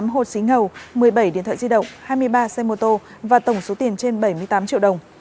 một mươi tám hột xí ngầu một mươi bảy điện thoại di động hai mươi ba xe mô tô và tổng số tiền trên bảy mươi tám triệu đồng